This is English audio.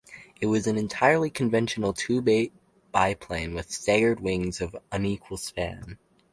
It was an entirely conventional two-bay biplane with staggered wings of unequal span.